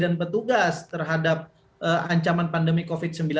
dan pertugas terhadap ancaman pandemi covid sembilan belas